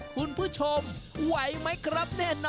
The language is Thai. นี่ถูกกว่า